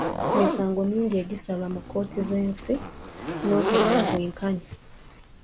Emisango mingi egisalwa mu kkooti z'ensi n'otalaba bwenkanya.